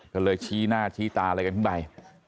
ก็เลยชี้หน้าชี้ตาอะไรกันขึ้นไป